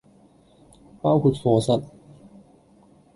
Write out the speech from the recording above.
包括課室